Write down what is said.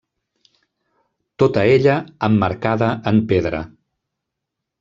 Tota ella emmarcada en pedra.